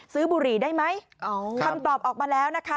บุหรี่ได้ไหมคำตอบออกมาแล้วนะคะ